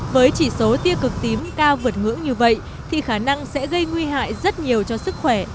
với chỉ số tia cực tím cao vượt ngưỡng như vậy thì khả năng sẽ gây nguy hại rất nhiều cho sức khỏe